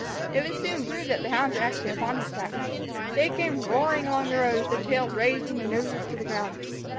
It was soon proved that the hounds were actually upon his track. They came roaring along the road, with their tails raised, and their noses to the ground.